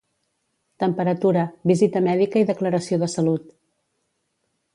Temperatura, visita mèdica i declaració de salut.